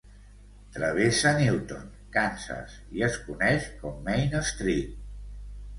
Travessa Newton, Kansas, i es coneix com Main Street.